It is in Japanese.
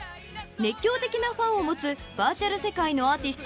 ［熱狂的なファンを持つバーチャル世界のアーティスト］